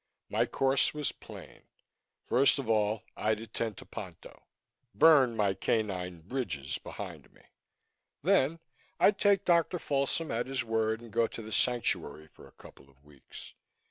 My course was plain. First of all, I'd attend to Ponto burn my canine bridges behind me. Then I'd take Dr. Folsom at his word and go to the Sanctuary for a couple of weeks.